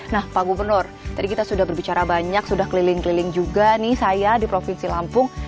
nah pak gubernur tadi kita sudah berbicara banyak sudah keliling keliling juga nih saya di provinsi lampung